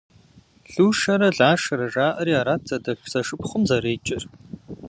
Лушэрэ Лашэрэ жаӏэри арат зэдэлъху-зэшыпхъум зэреджэр.